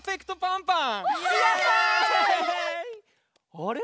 あれ？